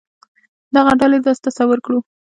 دغه ډلې داسې تصور کړو.